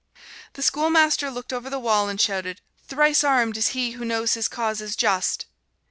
The schoolmaster looked over the wall and shouted, "Thrice armed is he who knows his cause is just!"